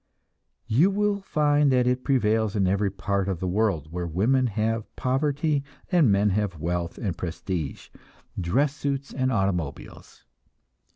You will find that it prevails in every part of the world where women have poverty and men have wealth and prestige, dress suits and automobiles.